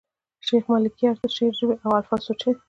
د شېخ ملکیار د شعر ژبه او الفاظ سوچه دي.